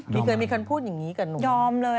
มีเคยมีคนพูดแบบนี้กับนุ